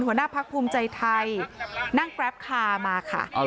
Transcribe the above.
หัวหน้าพักภูมิใจไทยนั่งแกรปคาร์มาค่ะ